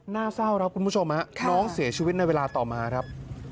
หน้าเศร้าครับคุณผู้ชมฮะน้องเสียชีวิตในเวลาต่อมาครับ